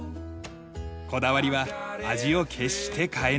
こだわりは味を決して変えぬ事。